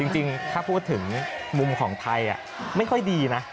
จริงถ้าพูดถึงมุมของไทยไม่ค่อยดีนะ